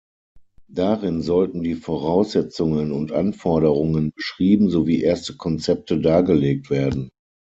Darin sollten die Voraussetzungen und Anforderungen beschrieben sowie erste Konzepte dargelegt werden.